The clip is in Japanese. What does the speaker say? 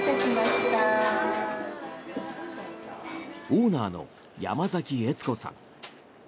オーナーの山崎えつ子さん。